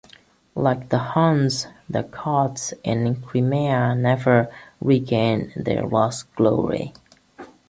Like the Huns, the Goths in Crimea never regained their lost glory.